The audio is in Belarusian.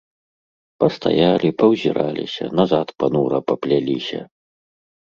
Пастаялі, паўзіраліся, назад панура папляліся.